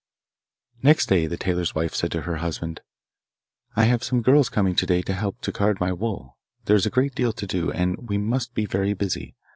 Next day the tailor's wife said to her husband, 'I have some girls coming to day to help to card my wool there is a great deal to do, and we must be very busy.